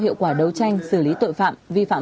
hiệu quả đấu tranh xử lý tội phạm vi phạm